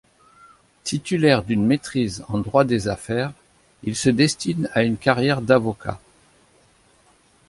Titulaire d'une maîtrise en droit des affaires, il se destine à une carrière d'avocat.